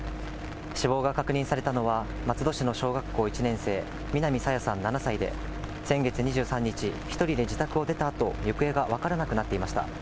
死亡が確認されたのは、松戸市の小学校１年生、南朝芽さん７歳で、先月２３日、１人で自宅を出たあと、行方が分からなくなっていました。